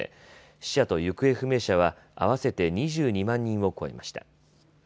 死者と行方不明者は合わせて２２万人を超えました。